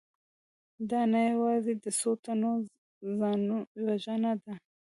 دا نه یوازې د څو تنو ځانوژنه ده